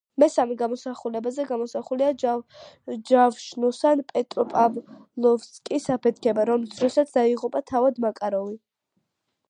მესამე გამოსახულებაზე გამოსახულია ჯავშნოსან „პეტროპავლოვსკის“ აფეთქება, რომლის დროსაც დაიღუპა თავად მაკაროვი.